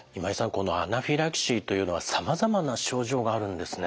このアナフィラキシーというのはさまざまな症状があるんですね。